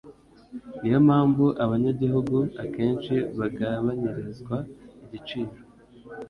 Ni yo mpamvu abanyagihugu akenshi bagabanyirizwa igiciro